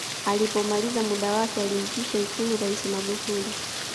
alipomaliza muda wake alimpisha ikulu raisi magufuli